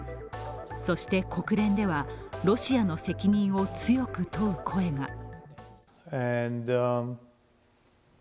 そして国連では、ロシアの責任を強く問う声が。